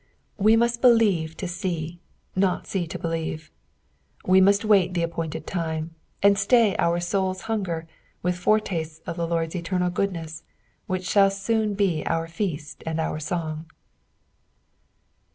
We must believe to see, not see to believe ; we muEt wait the appointed time, and stay our bou1''b liunger with fore tastes of the Lord's eternal goodness which shall soon be our feast and our song.